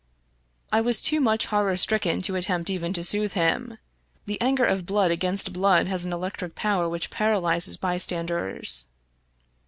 I was too much horror stricken to attempt even to soothe him. The anger of blood against blood has an electric power which paralyzes bystanders.